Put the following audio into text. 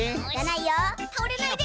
たおれないで！